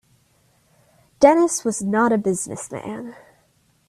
Dennis was not a business man.